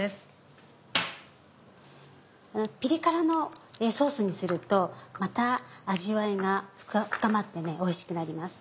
ピリ辛のソースにするとまた味わいが深まっておいしくなります。